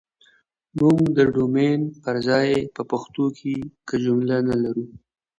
موږ ده ډومين پر ځاى په پښتو کې که جمله نه لرو